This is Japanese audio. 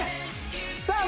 さあ